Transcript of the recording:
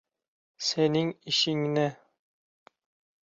Sening ishingni!